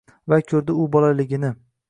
Va ko’rdi u bolaligini –